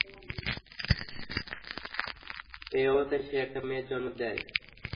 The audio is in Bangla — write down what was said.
ওই অবস্থায় সে একটা মেয়ের জন্ম দেয়।